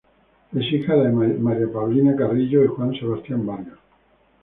Es hija de María Paulina Carrillo y Juan Sebastián Vargas.